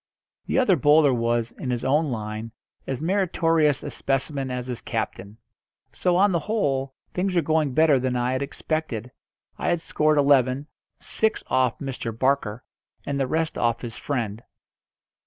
The other bowler was, in his own line, as meritorious a specimen as his captain. So, on the whole, things were going better than I had expected. I had scored eleven, six off Mr. Barker, and the rest off his friend.